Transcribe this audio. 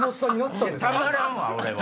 たまらんわ俺は。